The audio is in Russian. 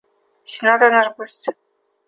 Сенатор – наш гость.